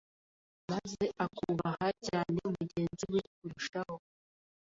maze akubaha cyane mugenzi we kurushaho